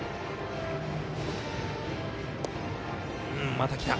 また来た。